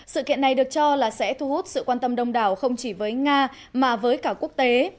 sự kiện này được cho là sẽ thu hút sự quan tâm đông đảo không chỉ với nga mà với cả quốc tế